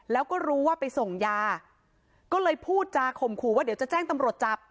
แล้วก็รู้ว่าไปส่งยาก็เลยพูดจาข่มขู่ว่าเดี๋ยวจะแจ้งตำรวจจับ